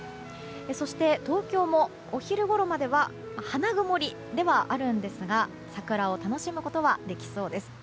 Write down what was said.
そして、東京もお昼ごろまでは花曇りではあるんですが桜を楽しむことはできそうです。